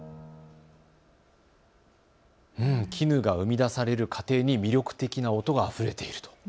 絹が生み出される過程に魅力的な音があふれている。